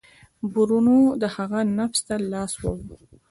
برونو د هغه نبض ته لاس ووړ.